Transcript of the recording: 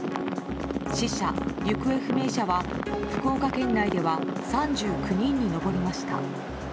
死者・行方不明者は福岡県内では３９人に上りました。